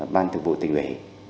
ban thượng vụ tỉnh huế